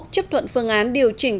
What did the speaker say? chấp thuận phương án điều chỉnh